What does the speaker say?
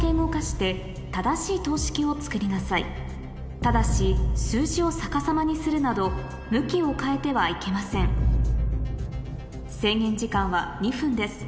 ただし数字を逆さまにするなど向きを変えてはいけません制限時間は２分です